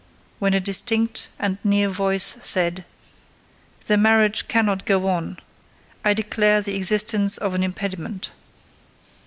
—when a distinct and near voice said— "The marriage cannot go on: I declare the existence of an impediment."